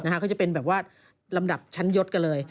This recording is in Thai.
เขาจะเป็นแบบว่าลำดับชั้นยศกันเลย